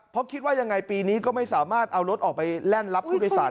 เพราะคิดว่ายังไงปีนี้ก็ไม่สามารถเอารถออกไปแล่นรับผู้โดยสาร